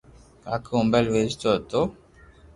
ڪاڪو موبائل ويچتو ھتو